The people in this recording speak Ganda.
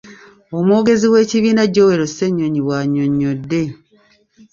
Omwogezi w’ekibiina Joel Ssennyonyi bw’annyonnyodde.